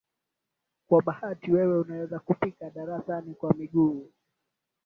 Kwa bahati wewe unaweza kufika darasani kwa miguu.